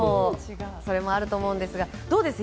それもあると思うんですがどうです？